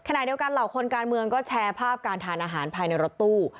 เหล่าคนการเมืองก็แชร์ภาพการทานอาหารภายในรถตู้